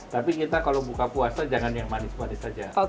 tapi kita kalau buka puasa jangan yang manis manis saja